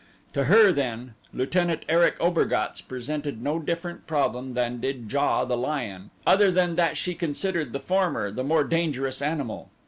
To her, then, Lieutenant Erich Obergatz presented no different problem than did JA, the lion, other than that she considered the former the more dangerous animal.